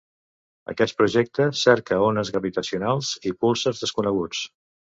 Aquest projecte cerca ones gravitacionals i púlsars desconeguts.